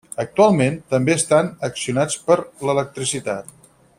Actualment, també estan accionats per l’electricitat.